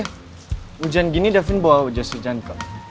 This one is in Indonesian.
hujan gini davin bawa jas hujan kok